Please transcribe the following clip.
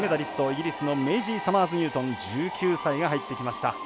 イギリスのメイジー・サマーズニュートン１９歳が入ってきました。